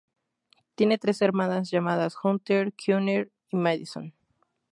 Tiene tres hermanas llamadas Hunter, Conner y Madison.